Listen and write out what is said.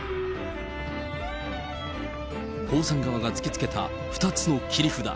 江さん側が突きつけた２つの切り札。